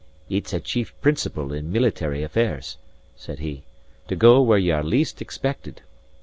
"It's a chief principle in military affairs," said he, "to go where ye are least expected.